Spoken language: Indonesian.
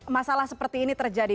masalah seperti ini terjadi